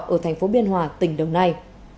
ở thành phố biên hòa tỉnh đồng nai